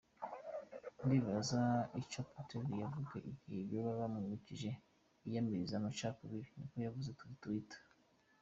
"Ndibaza ico Pletnyova yovuga igihe boba bamwibukije "Iyamirize amacakubiri," niko yavuze kuri Twitter.